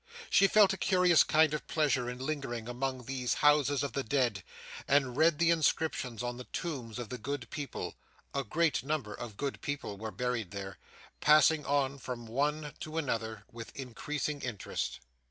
She felt a curious kind of pleasure in lingering among these houses of the dead, and read the inscriptions on the tombs of the good people (a great number of good people were buried there), passing on from one to another with increasing interest.